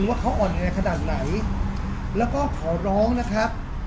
ว่าเขาอ่อนแอขนาดไหนแล้วก็ขอร้องนะครับ